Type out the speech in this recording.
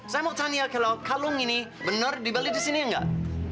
saya mau tanya kalau kalung ini benar dibeli di sini enggak